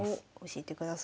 教えてください。